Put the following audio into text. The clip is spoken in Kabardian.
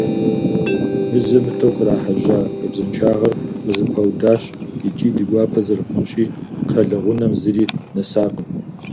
Мызэ-мытӀэу кърахьэжьа хабзэншагъэр къызэпаудащ, икӀи, ди гуапэ зэрыхъунщи, кхъэлъэгъунэм зыри нэсакъым.